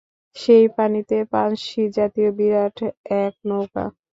সেই পানিতেই পানশি জাতীয় বিরাট এক নৌকা।